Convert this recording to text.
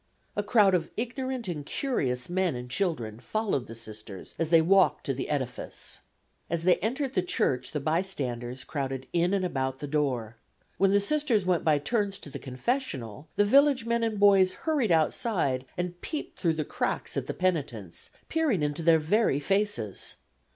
A crowd of ignorant and curious men and children followed the Sisters as they walked to the edifice. As they entered the church the bystanders crowded in and about the door. When the Sisters went by turns to the confessional the village men and boys hurried outside and peeped through the cracks at the penitents, peering into their very faces.